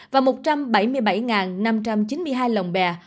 và một trăm bảy mươi bảy năm trăm chín mươi hai lồng bè